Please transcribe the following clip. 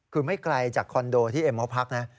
คือไม่ไกลจากคอนโดที่เอ็มเขาพักนะ